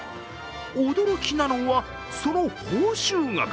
驚きなのは、その報酬額。